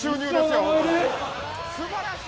すばらしい！